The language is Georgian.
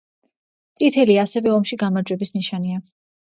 წითელი ასევე ომში გამარჯვების ნიშანია.